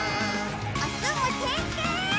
おつむてんてん！